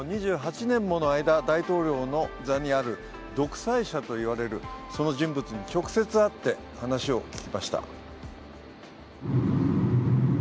２８年もの間大統領の座にある独裁者といわれるその人物に直接会って話を聞きました。